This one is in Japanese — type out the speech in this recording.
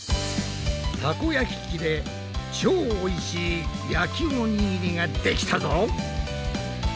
たこ焼き器で超おいしい焼きおにぎりができたぞ！